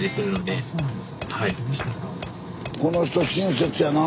この人親切やな。